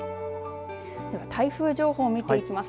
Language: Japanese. では、台風情報を見ていきます。